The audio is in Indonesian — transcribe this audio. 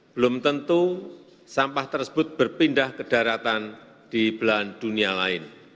belum tentu sampah tersebut berpindah ke daratan di belahan dunia lain